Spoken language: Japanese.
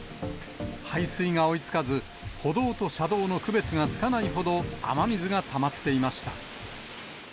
排水が追いつかず、歩道と車道の区別がつかないほど、雨水がたまっていました。